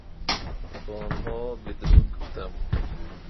به آنها بدرود گفتم.